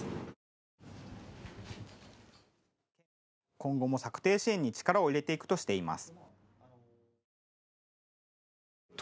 今後も策定支援に力を入れていくとしています。